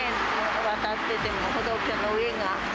渡ってても、歩道橋の上が。